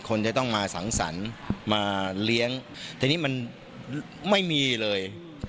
คนจะต้องมาสังสรรค์มาเลี้ยงทีนี้มันไม่มีเลย